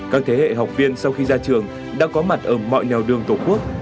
các thế hệ học viên sau khi ra trường đã có mặt ở mọi nèo đường tổ quốc